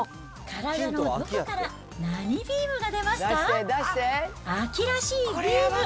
体のどこから何ビームが出ますか？